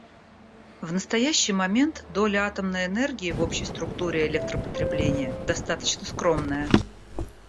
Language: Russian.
В настоящий момент доля атомной энергии в общей структуре электропотребления достаточно скромная.